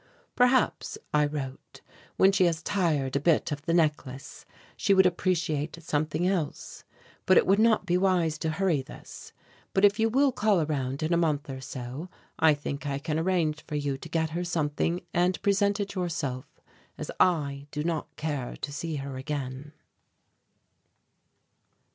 "Perhaps," I wrote, "when she has tired a bit of the necklace, she would appreciate something else. But it would not be wise to hurry this; but if you will call around in a month or so, I think I can arrange for you to get her something and present it yourself, as I do not care to see her again."